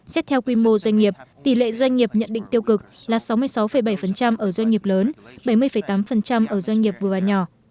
xét theo quy mô doanh nghiệp tỷ lệ doanh nghiệp nhận định tiêu cực là sáu mươi sáu bảy ở doanh nghiệp lớn bảy mươi tám ở doanh nghiệp vừa và nhỏ